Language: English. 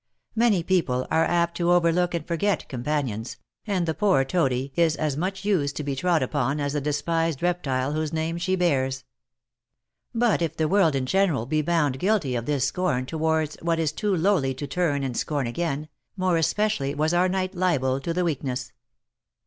Many people are apt to overlook and forget companions, and the poor toady is as much used to be trod upon as the despised reptile whose name she bears. But if the world in OP MICHAEL ARMSTRONG. V general be found guilty of this scorn towards what is too lowly to turn, and scorn again, more especially was our knight liable to the weakness.